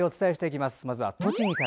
まずは栃木から。